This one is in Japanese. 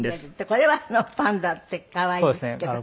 これはパンダって可愛いですけど。